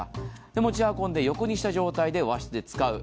持ち運んで、横にした状態で和室で使う。